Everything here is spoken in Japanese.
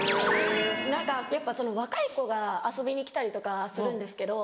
何かやっぱその若い子が遊びに来たりとかするんですけど。